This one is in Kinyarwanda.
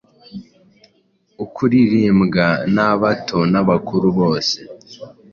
Ukuririmbwa n’abato n’abakuru bose